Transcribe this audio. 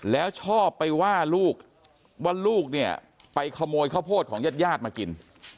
แล้วชอบไปว่าลูกว่าลูกเนี่ยไปขโมยข้าวโพดของญาติญาติมากิน